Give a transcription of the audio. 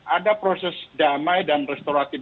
ada proses damai dan restoratif